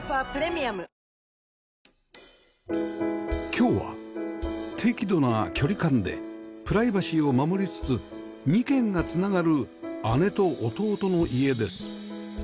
今日は適度な距離感でプライバシーを守りつつ２軒がつながる姉と弟の家です